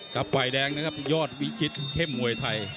ฝ่ายแดงนะครับยอดวิชิตเข้มมวยไทย